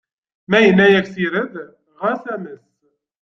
Ma yenna-yak ssired, ɣas ames!